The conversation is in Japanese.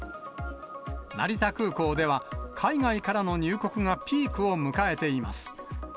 成田空港では、海外からの入国がピークを迎えています。